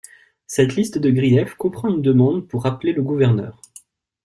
Cette liste de griefs comprend une demande pour rappeler le gouverneur.